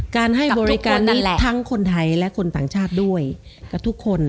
การให้บริการนี้ทั้งคนไทยและคนต่างชาติด้วยกับทุกคน